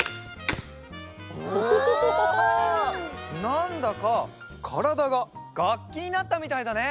なんだかからだががっきになったみたいだね。